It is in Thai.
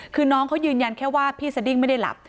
คือน้องเขายืนยันแค่ว่าพี่สดิ้งไม่ได้หลับ